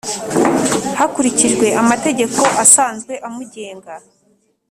Hakurikijwe amategeko asanzwe amugenga